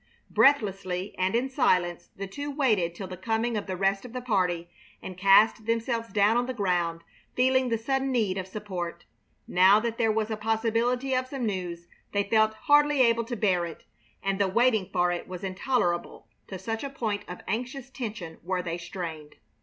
Breathlessly and in silence the two waited till the coming of the rest of the party, and cast themselves down on the ground, feeling the sudden need of support. Now that there was a possibility of some news, they felt hardly able to bear it, and the waiting for it was intolerable, to such a point of anxious tension were they strained.